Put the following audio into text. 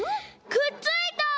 くっついた！